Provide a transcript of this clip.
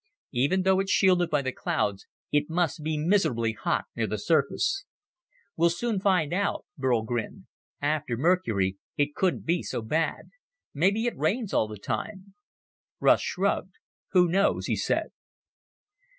Even though it's shielded by the clouds, it must be miserably hot near the surface." "We'll soon find out." Burl grinned. "After Mercury, it couldn't be so bad. Maybe it rains all the time." Russ shrugged. "Who knows?" he said.